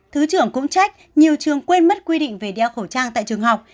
thứ trưởng cũng trách nhiều trường quên mất quy định về đeo khẩu trang tại trường học